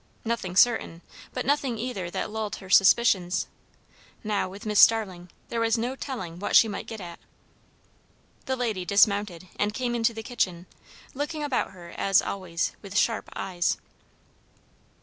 Nothing certain; but nothing either that lulled her suspicions. Now, with Mrs. Starling, there was no telling what she might get at. The lady dismounted and came into the kitchen, looking about her, as always, with sharp eyes.